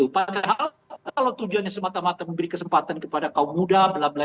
padahal kalau tujuannya semata mata memberi kesempatan kepada kaum muda